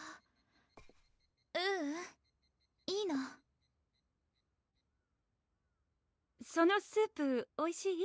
ううんいいのそのスープおいしい？